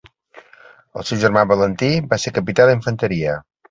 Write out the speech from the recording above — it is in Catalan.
El seu germà Valentí va ser capità d'infanteria.